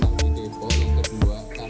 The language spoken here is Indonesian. dan aku kayak cakap